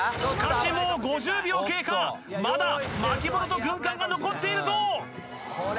しかしもう５０秒経過まだ巻物と軍艦が残っているぞ！